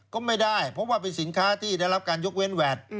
ก็ไม่ได้เพราะว่าเป็นสินค้าที่ได้รับการยกเว้นแวด